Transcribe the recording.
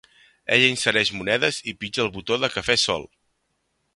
Ella insereix monedes i pitja el botó de cafè sol.